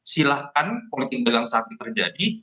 silahkan politik pegang sapi terjadi